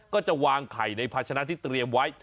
ก็จะวางไข่ในภาชนะที่เตรียมไว้